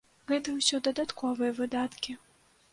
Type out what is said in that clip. Гэта ўсё дадатковыя выдаткі.